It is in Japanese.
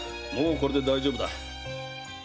もうこれで大丈夫だ。